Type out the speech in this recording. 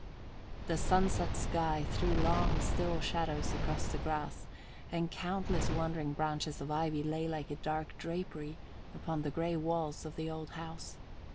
The sunset sky threw long, still shadows across the grass, and countless wandering branches of ivy lay like a dark drapery upon the grey walls of the old house.